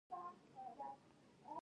لویې پروژې سپاه پرمخ وړي.